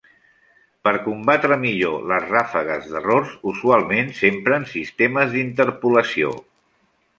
Per combatre millor les ràfegues d'errors usualment s'empren sistemes d'interpolació.